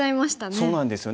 そうなんですよね。